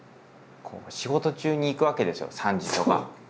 仕事中に行くわけですよ３時とか。